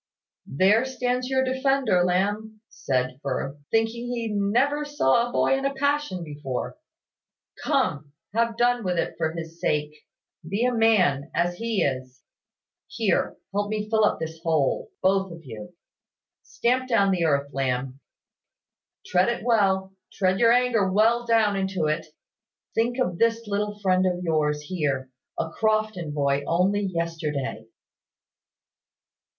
"There stands your defender, Lamb," said Firth, "thinking he never saw a boy in a passion before. Come, have done with it for his sake: be a man, as he is. Here, help me to fill up this hole both of you. Stamp down the earth, Lamb. Tread it well tread your anger well down into it. Think of this little friend of yours here a Crofton boy only yesterday."